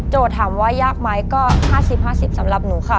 ถามว่ายากไหมก็๕๐๕๐สำหรับหนูค่ะ